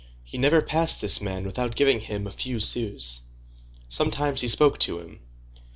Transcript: He never passed this man without giving him a few sous. Sometimes he spoke to him.